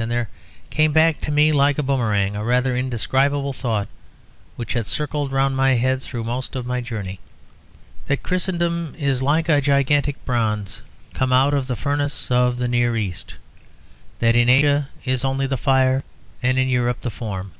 And there came back on me like a boomerang a rather indescribable thought which had circled round my head through most of my journey; that Christendom is like a gigantic bronze come out of the furnace of the Near East; that in Asia is only the fire and in Europe the form.